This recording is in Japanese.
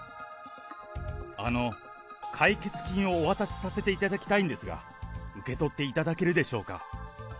あの、解決金をお渡しさせていただきたいんですが、受け取っていただけるでしょうか。